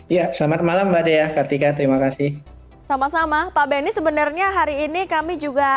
ya selamat malam mbak dea kartika terima kasih sama sama pak benny sebenarnya hari ini kami juga